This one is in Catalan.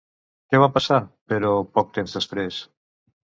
Què va passar, però, poc temps després?